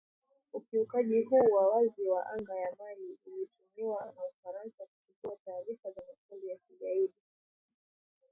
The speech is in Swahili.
Ukiukaji huu wa wazi wa anga ya Mali ulitumiwa na Ufaransa kuchukua taarifa za makundi ya kigaidi